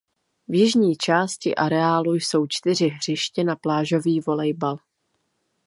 V jižní části areálu jsou čtyři hřiště na plážový volejbal.